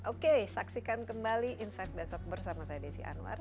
oke saksikan kembali insight besot bersama saya desy anwar